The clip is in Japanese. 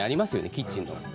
キッチンの。